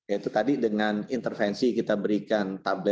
itu tadi dengan intervensi kita berikan table